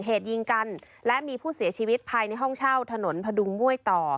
เหตุยิงกันและมีผู้เสียชีวิตภายในห้องเช่าถนนพดุงม่วยต่อ